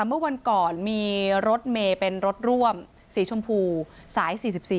เมื่อวันก่อนมีรถเมย์เป็นรถร่วมสีชมพูสาย๔๔